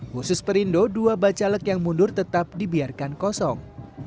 khusus perindo dua bacalek yang mundur tetap dibiarkan kosong